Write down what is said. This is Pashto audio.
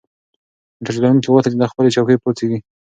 موټر چلونکي غوښتل چې له خپلې چوکۍ پاڅیږي.